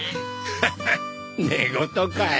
ハハッ寝言かい。